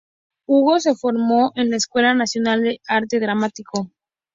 Ugo se formó en la Escuela Nacional de Arte Dramático.